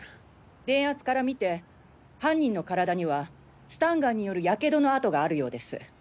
電圧から見て犯人の体にはスタンガンによる火傷の痕があるようです。